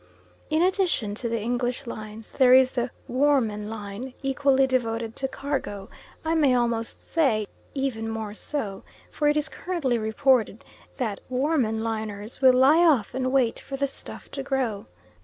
In addition to the English lines there is the Woermann line, equally devoted to cargo, I may almost say even more so, for it is currently reported that Woermann liners will lie off and wait for the stuff to grow.